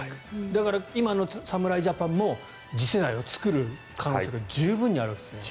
だから、今の侍ジャパンも次世代を作る可能性が十分です。